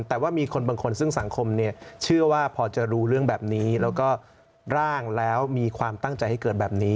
แต่ว่ามีคนบางคนซึ่งสังคมเนี่ยเชื่อว่าพอจะรู้เรื่องแบบนี้แล้วก็ร่างแล้วมีความตั้งใจให้เกิดแบบนี้